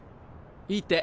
いいって。